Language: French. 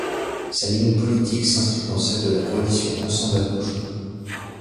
Sa ligne politique s'inscrit dans celle de la coalition Ensemble à gauche.